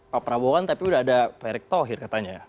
pak prabowo kan tapi udah ada periktohir katanya